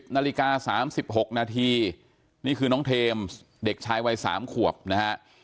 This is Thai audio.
นาฬิกา๓๖นาทีนี่คือน้องเทมส์เด็กชายวัย๓ขวบนะฮะ